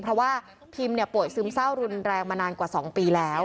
เพราะว่าพิมป่วยซึมเศร้ารุนแรงมานานกว่า๒ปีแล้ว